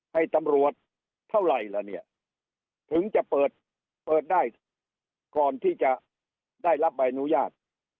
ให้ตำรวจเท่าไหร่ถึงจะเปิดได้ก่อนที่จะได้รับอนุญาต